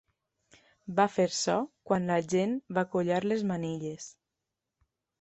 Va fer so quan l'agent va collar les manilles.